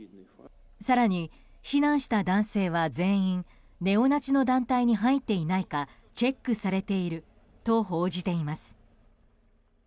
更に避難した男性は全員ネオナチの団体に入っていないかチェックされていると報じています。